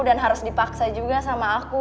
dan harus dipaksa juga sama aku